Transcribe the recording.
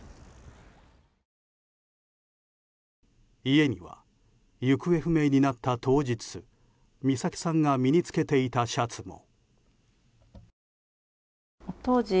家には行方不明になった当日美咲さんが身に着けていたシャツも。